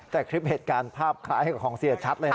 แต่คลิปเหตุการณ์ภาพคล้ายของเสียชัดเลยนะ